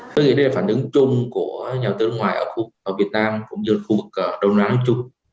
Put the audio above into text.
tôi nghĩ đây là phản ứng chung của nhà đầu tư nước ngoài ở việt nam cũng như khu vực đông nam chung